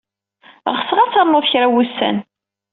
Ɣseɣ ad ternud kra n wussan.